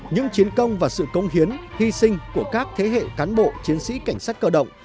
những chiến công và sự công hiến hy sinh của các thế hệ cán bộ chiến sĩ cảnh sát cơ động